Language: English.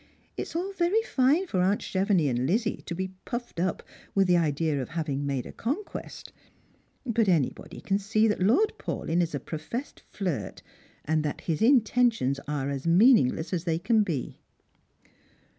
It's all very fine for aunt Chevenix and Lizzie to be puffed up with the idea of having made a conquest, liut anybody can see that Lord Paulyn is a professed flirt, and that his inten tions are as meaningless as they can be."